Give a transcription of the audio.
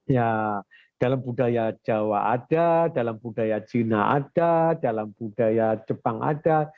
ya dalam budaya jawa ada dalam budaya cina ada dalam budaya jepang ada